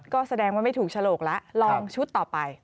ก็แสดงว่าไม่ถูกฉลกแล้วลองชุดต่อไป